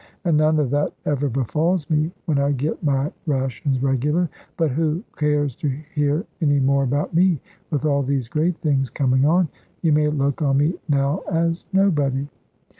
And none of that ever befalls me, when I get my rations regular. But who cares to hear any more about me, with all these great things coming on? You may look on me now as nobody.